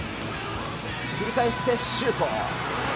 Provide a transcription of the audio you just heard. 振り返ってシュート。